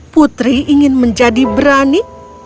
putri ingin menjadi berani